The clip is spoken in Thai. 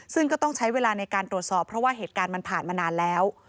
ซึ่งก็ต้องใช้เวลาในการตรวจสอบเพราะว่าเหตุการณ์มันผ่านมานานแล้ว